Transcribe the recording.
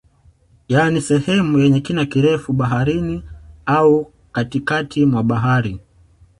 Yani sehemu yenye kina kirefu baharini au katikati mwa bahari